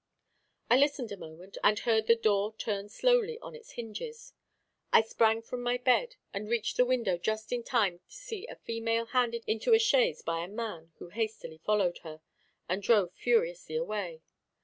I listened a moment, and heard the door turn slowly on its hinges. I sprang from my bed, and reached the window just in time to see a female handed into a chaise by a man who hastily followed her, and drove furiously away.